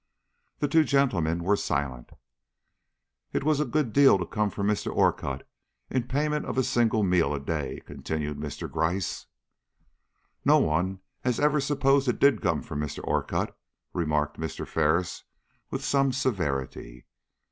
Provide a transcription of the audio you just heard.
The two gentlemen were silent. "It was a good deal to come from Mr. Orcutt in payment of a single meal a day!" continued Mr. Gryce. "No one has ever supposed it did come from Mr. Orcutt," remarked Mr. Ferris, with some severity.